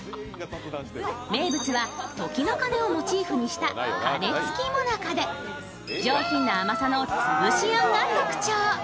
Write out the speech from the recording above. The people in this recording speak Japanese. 名物は時の鐘をモチーフにした鐘つき最中で上品な甘さのつぶしあんが特徴。